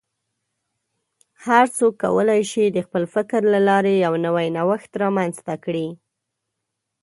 هر څوک کولی شي د خپل فکر له لارې یو نوی نوښت رامنځته کړي.